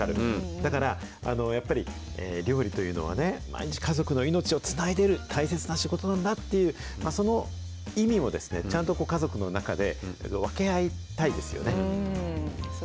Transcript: だから、やっぱり料理というのはね、毎日家族の命をつないでる大切な仕事なんだっていう、その意味をちゃんと家族の中で分け合いたいですよね。